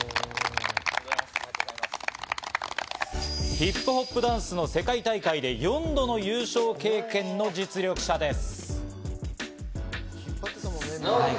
ヒップホップダンスの世界大会で４度の優勝経験の実力者です。